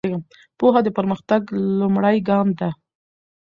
پوهه د پرمختګ لومړی ګام ده.